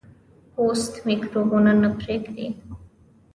پوست میکروبونه نه پرېږدي.